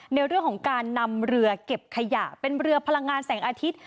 ในเรื่องของการนำเรือเก็บขยะเป็นเรือพลังงานแสงอาทิตย์